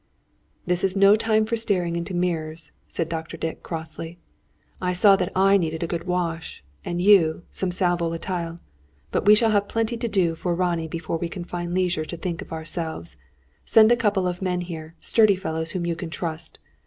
"This is no time for staring into mirrors," said Dr. Dick, crossly. "I saw that I need a good wash; and you, some sal volatile! But we shall have plenty to do for Ronnie before we can find leisure to think of ourselves. Send a couple of men here; sturdy fellows whom you can trust.